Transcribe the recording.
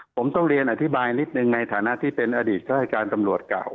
ผมต้องเรียนอธิบายนิดนึงในฐานะที่เป็นอดีตราชการตำรวจเก่า